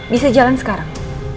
bisa jalan sekarang